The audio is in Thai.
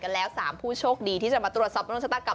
กับหมอกไก่กันแล้ว๓ผู้โชคดีที่จะมาตรวจสอบเมื่อต้นชะตัดกับ